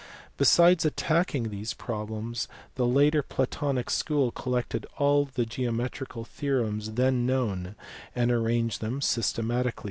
Besides attacking these problems the later Platonic school collected all the geometrical theorems then known and arranged them systematically.